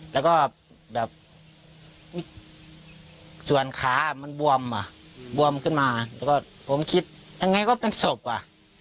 แล้วก็แบบส่วนขามันบวมอ่ะบวมขึ้นมาแล้วก็ผมคิดยังไงก็เป็นศพอ่ะ